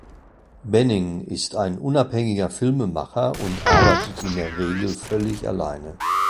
Benning ist ein unabhängiger Filmemacher und arbeitet in der Regel völlig alleine.